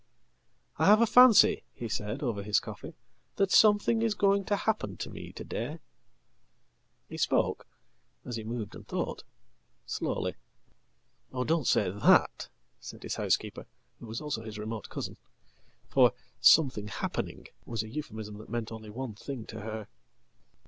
"I have a fancy," he said over his coffee, "that something is going tohappen to me to day." He spoke as he moved and thought slowly."Oh, don't say that!" said his housekeeper who was also his remotecousin. For "something happening" was a euphemism that meant only onething to her."